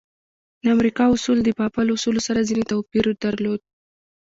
د امریکا اصول د بابل اصولو سره ځینې توپیر درلود.